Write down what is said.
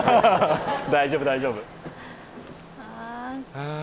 大丈夫、大丈夫。